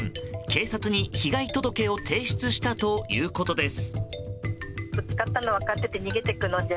警察に被害届を提出したということです。